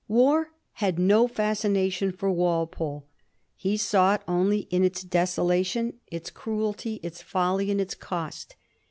War had no fascination for Walpole. He saw it only in its desolation, its ci uelty, its folly, and its cost.